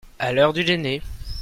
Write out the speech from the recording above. À l'heure du dîner.